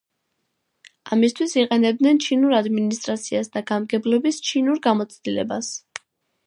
ამისთვის იყენებდნენ ჩინურ ადმინისტრაციას და გამგებლობის ჩინურ გამოცდილებას.